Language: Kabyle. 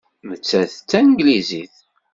Nettat d Tanglizit.